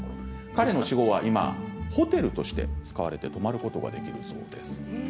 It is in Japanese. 彼の死後はホテルとして使われて泊まることができるそうです。